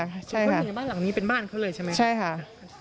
เพราะอยู่ในบ้านหลังนี้เป็นบ้านเขาเลยใช่ไหมใช่ค่ะ